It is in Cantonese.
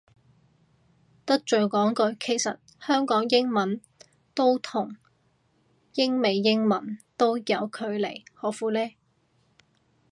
得罪講句，其實香港英文都同英美英文都有距離何苦呢